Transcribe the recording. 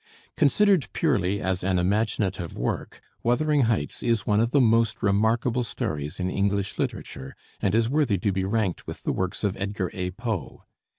Considered purely as an imaginative work, "Wuthering Heights" is one of the most remarkable stories in English literature, and is worthy to be ranked with the works of Edgar A. Poe.